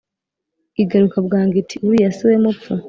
igaruka bwangu iti «uriya siwe mupfu